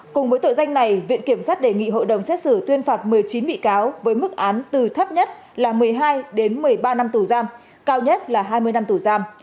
cùng với tội danh này viện kiểm sát đề nghị hội đồng xét xử tuyên phạt một mươi chín bị cáo với mức án từ thấp nhất là một mươi hai đến một mươi ba năm tù giam cao nhất là hai mươi năm tù giam